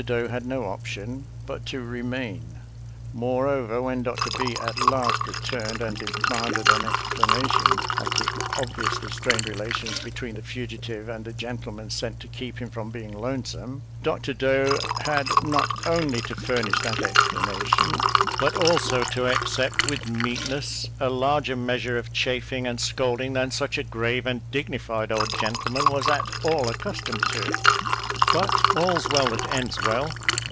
Doe had no option but to remain ; more over, when Dr. B at last returned and de manded an explanation of the obviously strained relations between the fugitive and the gentleman sent to keep him from being lonesome. Dr. Doe had not only to furnish that explanation, but also to accept with meekness a larger measure of chaffing and scolding than such a grave and dignified old gentleman was at all accustomed to. But "all's well that ends well."